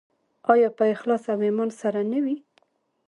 آیا په اخلاص او ایمان سره نه وي؟